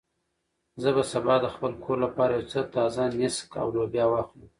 زه به سبا د خپل کور لپاره یو څه تازه نېسک او لوبیا واخلم.